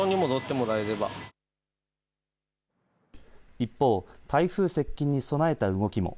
一方、台風接近に備えた動きも。